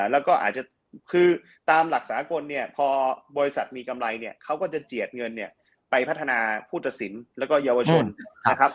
แล้วก็อาจจะคือตามหลักสากลเนี่ยพอบริษัทมีกำไรเนี่ยเขาก็จะเจียดเงินเนี่ยไปพัฒนาผู้ตัดสินแล้วก็เยาวชนนะครับ